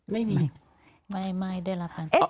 ไม่มีไม่ได้รับการติดต่อ